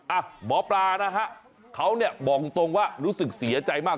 อ่ะหมอปลานะฮะเขาเนี่ยบอกตรงว่ารู้สึกเสียใจมาก